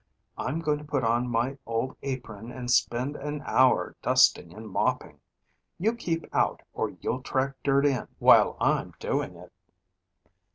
"I'm going to put on my old apron and spend an hour dusting and mopping. You keep out or you'll track dirt in while I'm doing it."